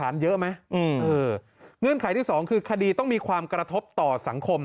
เงื่อนไขที่สองคือคดีต้องมีความกระทบต่อสังคม